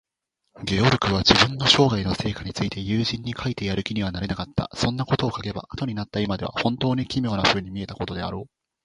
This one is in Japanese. ゲオルクは、自分の商売の成果について友人に書いてやる気にはなれなかった。そんなことを書けば、あとになった今では、ほんとうに奇妙なふうに見えたことであろう。